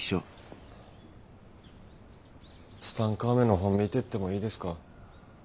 ツタンカーメンの本見てってもいいですか。